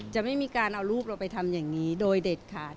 จะไม่มีการเอารูปเราไปทำอย่างนี้โดยเด็ดขาด